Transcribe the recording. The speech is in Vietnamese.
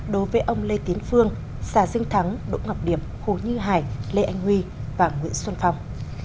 đối với ông lê tiến phương xà dương thắng đỗ ngọc điệp hồ như hải lê anh huy và nguyễn xuân phong